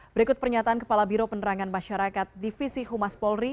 berikut pernyataan kepala biro penerangan masyarakat divisi humas polri